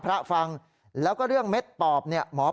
สายลูกไว้อย่าใส่